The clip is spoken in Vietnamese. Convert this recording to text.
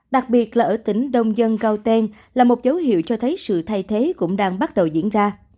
đặc biệt là ở tỉnh đông dân cao tèn là một dấu hiệu cho thấy sự thay thế cũng đang bắt đầu diễn ra